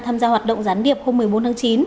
tham gia hoạt động gián điệp hôm một mươi bốn tháng chín